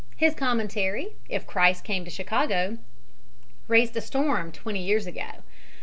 His commentary "If Christ Came to Chicago" raised a storm twenty years ago.